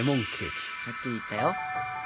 はっきり言ったよ！